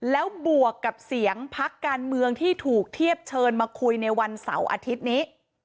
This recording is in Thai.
แล้วบวกกับเสียงพักการเมืองที่ถูกเทียบเชิญมาคุยในวันเสาร์อาทิตย์นี้